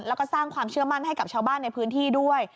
แล้วก็สร้างความเชื่อมั่นให้กับชาวบ้านในพื้นที่ด้วย